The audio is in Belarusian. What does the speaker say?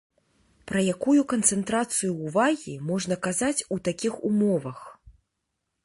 Пра якую канцэнтрацыю ўвагі можна казаць у такіх умовах?